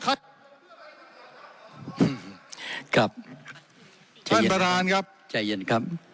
ขอประท้วงครับขอประท้วงครับขอประท้วงครับ